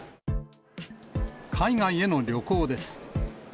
海外への旅行です。